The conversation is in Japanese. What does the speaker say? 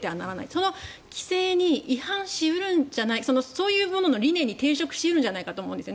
その規制に違反し得るんじゃないかそういうものの理念に抵触し得るんじゃないかと思うんです